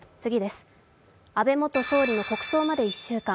安倍元総理の国葬まで１週間。